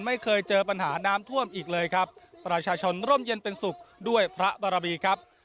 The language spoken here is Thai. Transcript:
แล้วผมลาไปเลยนะครับสวัสดีครับ